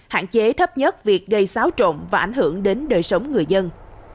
hạn chế thấp nhất việc gây xáo trộn và ảnh hưởng đến đời sống người dân